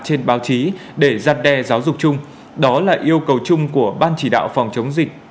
trên báo chí để giăn đe giáo dục chung đó là yêu cầu chung của ban chỉ đạo phòng chống dịch